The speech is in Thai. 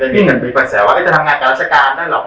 หรือมีกระแสว่ลองจะทำงานกันรัชการนั้นหรือเปล่า